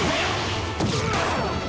うわっ！